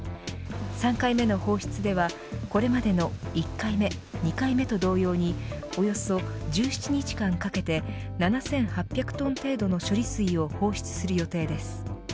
３回目の放出ではこれまでの１回目２回目と同様におよそ１７日間かけて７８００トン程度の処理水を放出する予定です。